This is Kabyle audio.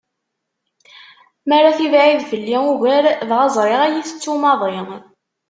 Mi ara tibɛid fell-i ugar dɣa ẓriɣ ad iyi-tettu maḍi.